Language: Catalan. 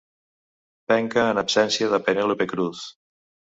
Penca en absència de Penèlope Cruz.